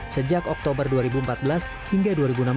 sejak oktober dua ribu empat belas hingga dua ribu enam belas